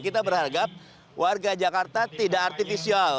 kita berharap warga jakarta tidak artifisial